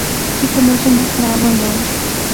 اِتھا موسم بہت خراب ہوندا ہے۔